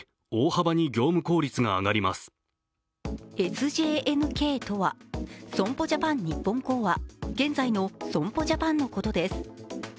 ＳＪＮＫとは、損保ジャパン日本興亜現在の損保ジャパンのことです。